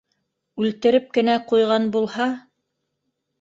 Үлтереп кенә ҡуйған булһа...